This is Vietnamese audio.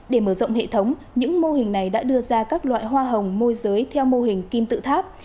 để mở rộng hệ thống những mô hình này đã đưa ra các loại hoa hồng môi giới theo mô hình kim tự tháp